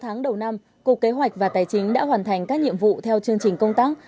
sáu tháng đầu năm cục kế hoạch và tài chính đã hoàn thành các nhiệm vụ theo chương trình công tác